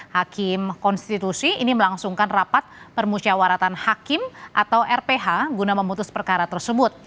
hakim konstitusi ini melangsungkan rapat permusyawaratan hakim atau rph guna memutus perkara tersebut